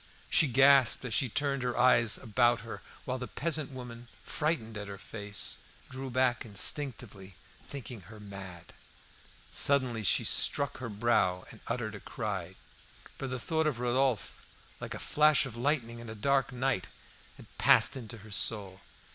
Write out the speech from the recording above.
She gasped as she turned her eyes about her, while the peasant woman, frightened at her face, drew back instinctively, thinking her mad. Suddenly she struck her brow and uttered a cry; for the thought of Rodolphe, like a flash of lightning in a dark night, had passed into her soul.